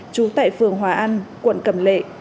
trú tại phường hòa an quận cẩm lệ